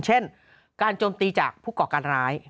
เช่นการโจมตีจากผู้ก่อการร้าย